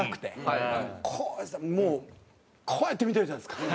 もうこうやって見てるじゃないですか。